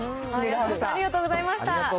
ありがとうございます。